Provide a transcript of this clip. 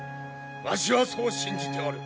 わしはそう信じておる！